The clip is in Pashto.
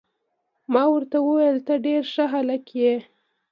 ما ورته وویل: ته ډیر ښه هلک يې.